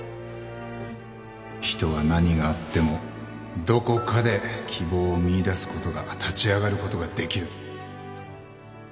人は何があってもどこかで希望を見いだす事が立ち上がる事ができる。